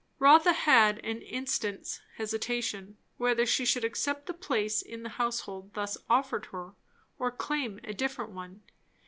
Rotha had an instant's hesitation, whether she should accept the place in the household thus offered her, or claim a different one.